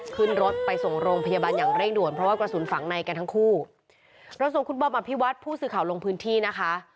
ขึ้นรถไปส่งโรงพยาบาลอย่างเร่งด่วนเพราะว่ากระสุนฝังในกันทั้งคู่เราส่งคุณบอมอภิวัตผู้สื่อข่าวลงพื้นที่นะคะ